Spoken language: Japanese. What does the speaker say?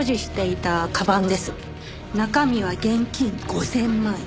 中身は現金５０００万円。